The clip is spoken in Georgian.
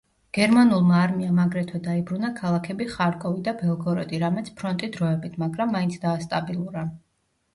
გერმანულმა არმიამ აგრეთვე დაიბრუნა ქალაქები ხარკოვი და ბელგოროდი რამაც ფრონტი დროებით, მაგრამ მაინც დაასტაბილურა.